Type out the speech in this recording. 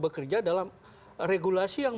bekerja dalam regulasi yang